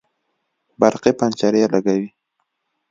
برقي پنجرې لګوي